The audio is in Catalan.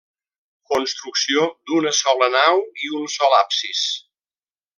Construcció d'una sola nau i un sol absis.